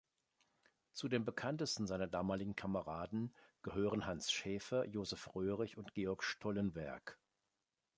Zu den bekanntesten seiner damaligen Kameraden gehören Hans Schäfer, Josef Röhrig und Georg Stollenwerk.